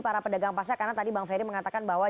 para pedagang pasar karena tadi bang ferry mengatakan bahwa